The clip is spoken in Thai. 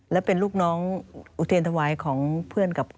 และเป็นลูกน้องอุเทรนธวายของเพื่อนกับ